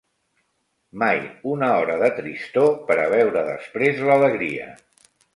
Mai una hora de tristor pera veure després l'alegria